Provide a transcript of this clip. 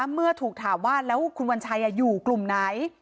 เมื่อถามว่าคุณวันชัยอยู่กลุ่มไหน